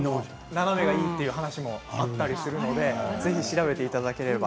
斜めがいいという話もあるのでぜひ調べていただければ。